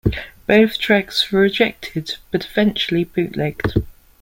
Both tracks were rejected but eventually bootlegged.